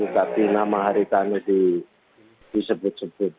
tapi nama haritanu disebut sebut